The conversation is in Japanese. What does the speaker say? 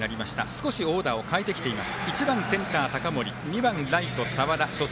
少しオーダーを変えてきています。